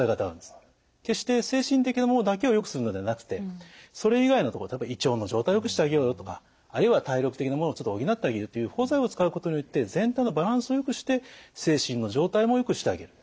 決して精神的なものだけをよくするのではなくてそれ以外のところ例えば胃腸の状態をよくしてあげようよとかあるいは体力的なものをちょっと補ってあげるという補剤を使うことによって全体のバランスをよくして精神の状態もよくしてあげる。